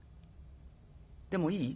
でもいい？